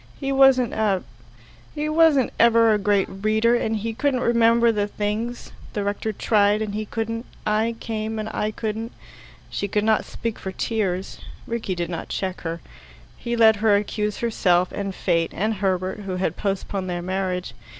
He wasn't a he wasn't ever a great reader, and he couldn't remember the things. The rector tried, and he couldn't I came, and I couldn't " She could not speak for tears. Rickie did not check her. He let her accuse herself, and fate, and Herbert, who had postponed their marriage.